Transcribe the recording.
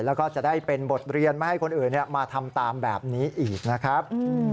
แล้วก็จะได้เป็นบทเรียนไม่ให้คนอื่นมาทำตามแบบนี้อีกนะครับ